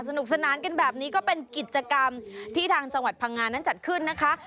สนุกสนานกันแบบนี้ก็เป็นกิจกรรมที่ทางจังหวัดพังงานั้นจัดขึ้นนะคะ